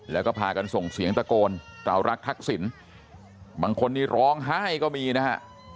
แล้วก็พากันส่งเสียงตะโกนเรารักทักษิณบางคนนี้ร้องไห้ก็มีนะฮะ